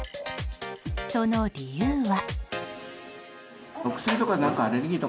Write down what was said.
その理由は。